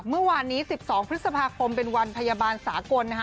เมื่อวานนี้๑๒พฤษภาคมเป็นวันพยาบาลสากลนะฮะ